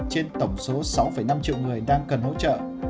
trên tổng số sáu năm triệu người đang cần hỗ trợ